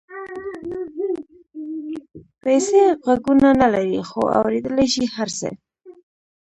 پیسې غوږونه نه لري خو اورېدلای شي هر څه.